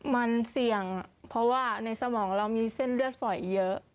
มันเสี่ยงเพราะว่าในสมองเรามีเส้นเลือดฝอยเยอะ